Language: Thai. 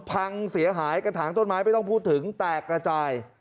พังเสียหายกระถางต้นไม้ไม่ต้องพูดถึงแตกกระจาย